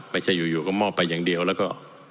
ไม่ใช่อยู่ก็มอบไปอย่างเดียวแล้วก็